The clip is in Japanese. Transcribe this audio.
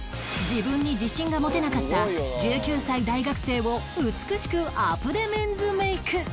自分に自信が持てなかった１９歳大学生を美しくアプデメンズメイク